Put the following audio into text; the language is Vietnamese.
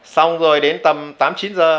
xong rồi đến tầm tám chín giờ